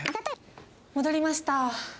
戻りました。